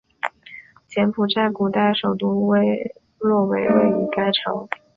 柬埔寨古代首都洛韦位于该城。